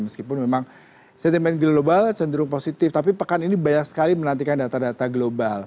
meskipun memang sentimen global cenderung positif tapi pekan ini banyak sekali menantikan data data global